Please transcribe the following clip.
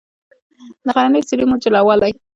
د غرنیو سیمو جلا والي د لهجو په جوړښت کې اغېز درلودلی دی.